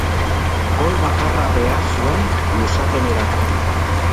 Gol bakarra behar zuen luzapenarako.